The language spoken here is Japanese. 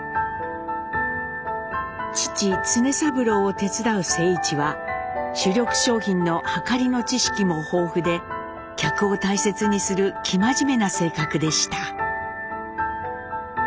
父常三郎を手伝う静一は主力商品のはかりの知識も豊富で客を大切にする生真面目な性格でした。